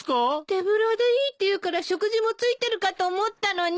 手ぶらでいいって言うから食事も付いてるかと思ったのに。